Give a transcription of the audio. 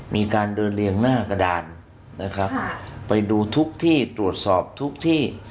มีการเดินเรียงหน้ากระดานนะครับไปดูทุกที่ตรวจสอบทุกที่